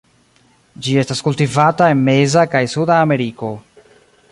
Ĝi estas kultivata en meza kaj suda Ameriko.